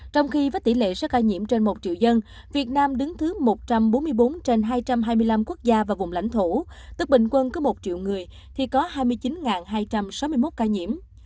trong khi với tỷ lệ số ca nhiễm trên một triệu dân việt nam đứng thứ một trăm bốn mươi bốn trên hai trăm hai mươi năm quốc gia và vùng lãnh thổ tức bình quân có một triệu người thì có hai mươi chín hai trăm sáu mươi một ca nhiễm